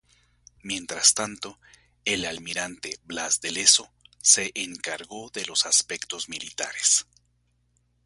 Mientras tanto, el almirante Blas de Lezo se encargó de los aspectos militares.